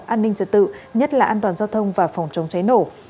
an ninh trật tự nhất là an toàn giao thông và phòng chống cháy nổ